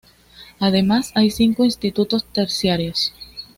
Además, hay cinco institutos terciarios.